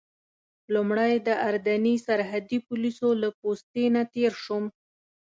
لومړی د اردني سرحدي پولیسو له پوستې نه تېر شوم.